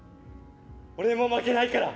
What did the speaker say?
俺も負けないから。